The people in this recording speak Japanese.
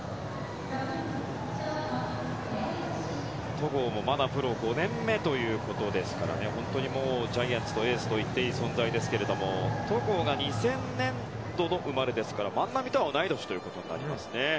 戸郷もまだプロ５年目ということですから本当にジャイアンツのエースといっていい存在ですけど戸郷が２０００年度の生まれですから万波とは同い年ですね。